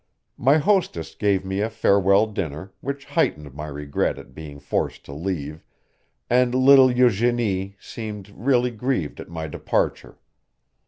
My hostess gave me a farewell dinner, which heightened my regret at being forced to leave, and little Eugenie seemed really grieved at my departure.